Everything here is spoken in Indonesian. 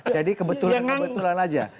jadi kebetulan kebetulan aja